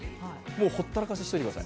ほったらかしにしてください。